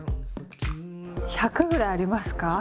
１００ぐらいありますか？